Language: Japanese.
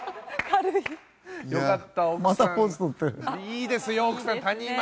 いいですよ奥さん谷間。